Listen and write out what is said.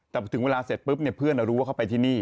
แต่ถึงเวลาเสร็จปุ๊บเนี่ยเพื่อนรู้ว่าเขาไปที่นี่